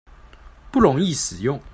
不容易使用